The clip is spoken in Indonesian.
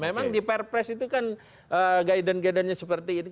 memang di perpres itu kan gaiden gaidennya seperti itu